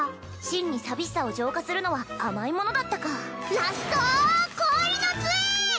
真に寂しさを浄化するのは甘いものだったかラスト氷の杖！